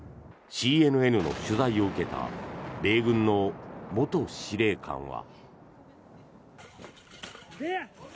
ＣＮＮの取材を受けた米軍の元司令官は。